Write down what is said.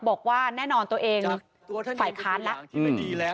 บอกว่าแน่นอนตัวเองฝ่ายค้านละ